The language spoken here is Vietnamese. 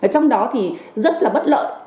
trong đó thì rất là bất lợi